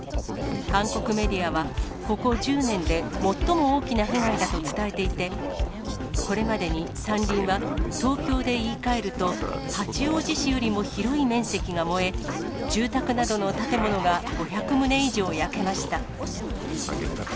韓国メディアは、ここ１０年で最も大きな被害だと伝えていて、これまでに山林は、東京で言い換えると、八王子市よりも広い面積が燃え、住宅などの建物が５００棟以上焼けました。